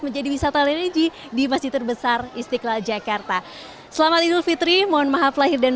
menjadi wisata religi di masjid terbesar istiqlal jakarta selamat idul fitri mohon maaf lahir dan